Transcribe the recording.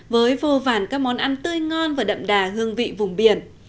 với vô vàn các món ăn tươi ngon và đậm đà hương vị vùng biển